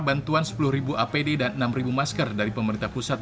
bantuan sepuluh apd dan enam masker dari pemerintah pusat